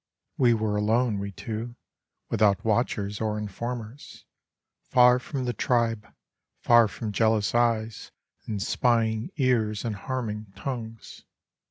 We were alone, we two, without watchers or informers, Far from the tribe, far from jealous eyes and spying ears and harming tongues.